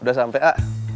udah sampe a